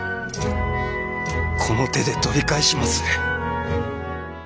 この手で取り返しまする！